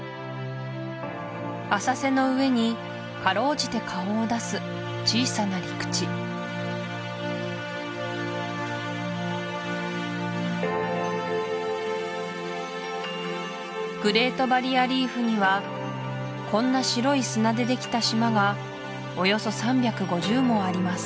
浅瀬の上にかろうじて顔を出す小さな陸地グレート・バリア・リーフにはこんな白い砂でできた島がおよそ３５０もあります